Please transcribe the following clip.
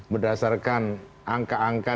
berdasarkan angka angka dan perhitungan